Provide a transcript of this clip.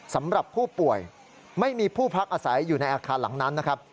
สำหรับผู้ป่วยไม่มีผู้พักอาศัยอยู่ในอาคารหลังนั้นนะครับ